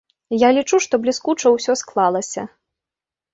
Я лічу, што бліскуча ўсё склалася.